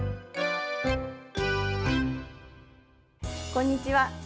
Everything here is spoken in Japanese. こんにちは。